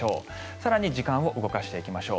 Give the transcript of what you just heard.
更に時間を動かしていきましょう。